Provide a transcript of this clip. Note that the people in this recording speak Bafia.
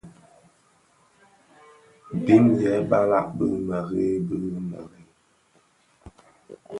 Bim yêê balàg bì mềrei bi mēreè.